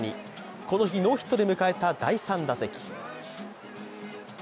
この日、ノーヒットで迎えた第３打席。